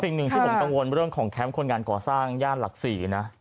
สิ่งหนึ่งที่ผมกังวลเรื่องของแคมป์คนงานก่อสร้างย่านหลัก๔นะ